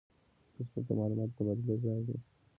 فېسبوک د معلوماتو د تبادلې ځای دی